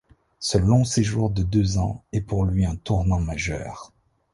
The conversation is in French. Ce long séjour de deux ans est pour lui un tournant majeur.